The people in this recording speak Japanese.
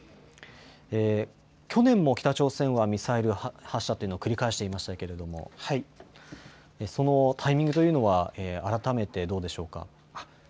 去年も北朝鮮はミサイル発射というものを繰り返していましたがそのタイミングというのは改めてどうでしょうか。